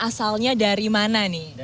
bapak ibu dari mana nih